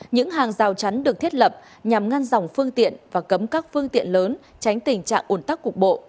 những hàng rào chắn được thiết lập nhằm ngăn dòng phương tiện và cấm các phương tiện lớn tránh tình trạng ủn tắc cục bộ